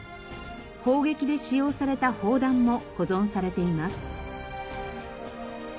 砲撃で使用された砲弾も保存されています。